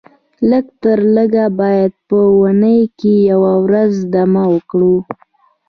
لږ تر لږه باید په اونۍ کې یوه ورځ دمه وکړو